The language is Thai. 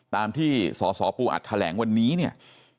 ตามที่สสปูอัดแถลงวันนี้เนี่ย